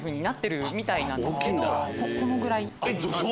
このぐらい。